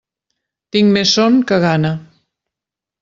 Tinc més son que gana.